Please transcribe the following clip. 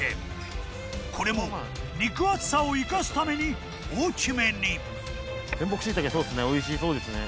これも肉厚さを生かすために大きめに原木椎茸そうですね